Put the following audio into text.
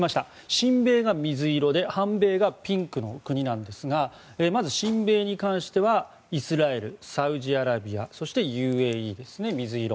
親米が水色で反米がピンクの国なんですがまず親米に関してはイスラエル、サウジアラビアそして、ＵＡＥですね、水色。